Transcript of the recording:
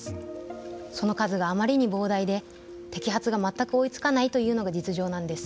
その数があまりに膨大で摘発が全く追いつかないというのが実情なんです。